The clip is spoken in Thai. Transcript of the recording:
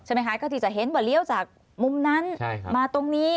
ไหมคะก็ที่จะเห็นว่าเลี้ยวจากมุมนั้นมาตรงนี้